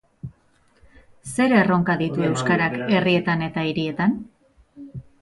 Zer erronka ditu euskarak herrietan eta hirietan?